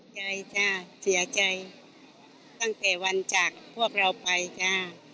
ใจจ้ะเสียใจตั้งแต่วันจากพวกเราไปจ้า